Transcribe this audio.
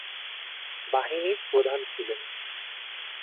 বাহিনীর প্রধান ছিলেন।